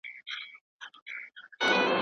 زمري پرون یو ښکلی خط ولیکی.